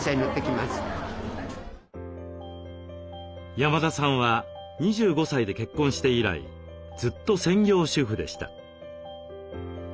山田さんは２５歳で結婚して以来ずっと専業主婦でした。